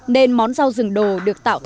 nên món rau rừng đồ được tạo thành